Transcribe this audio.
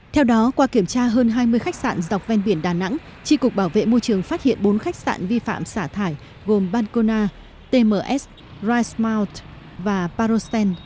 theo đó qua kiểm tra hơn hai mươi khách sạn dọc ven biển đà nẵng tri cục bảo vệ môi trường phát hiện bốn khách sạn vi phạm xả thải gồm bankona tms risemund và parosten